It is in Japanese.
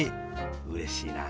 うれしいなあ。